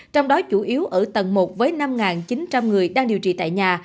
trong đó chủ yếu ở tầng một với năm chín trăm linh người đang điều trị tại nhà